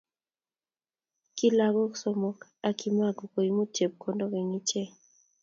Ki lagok somok ak kimako koimut chepkondok eng ichek